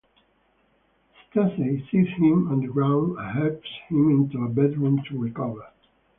Stacey sees him on the ground and helps him into a bedroom to recover.